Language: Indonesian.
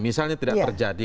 misalnya tidak terjadi